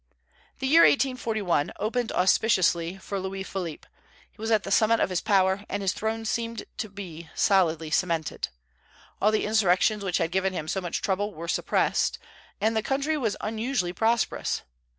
The year 1841 opened auspiciously for Louis Philippe. He was at the summit of his power, and his throne seemed to be solidly cemented. All the insurrections which had given him so much trouble were suppressed, and the country was unusually prosperous.